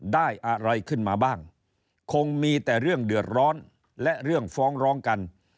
ได้อะไรขึ้นมาบ้างคงมีแต่เรื่องเดือดร้อนและเรื่องฟ้องร้องกัน